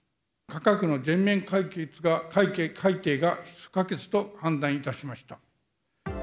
価格の全面改定が不可欠と判断いたしました。